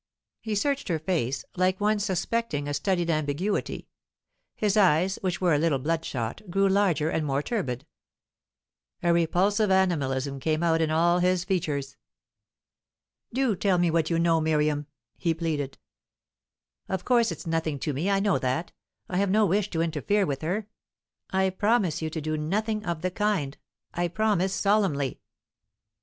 He searched her face, like one suspecting a studied ambiguity. His eyes, which were a little bloodshot, grew larger and more turbid; a repulsive animalism came out in all his features. "Do tell me what you know, Miriam," he pleaded. "Of course it's nothing to me; I know that. I have no wish to interfere with her; I promise you to do nothing of the kind; I promise solemnly!"